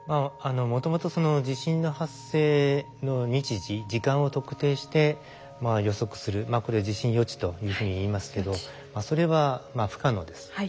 もともとその地震の発生の日時時間を特定して予測するこれを地震予知というふうにいいますけどそれは不可能です。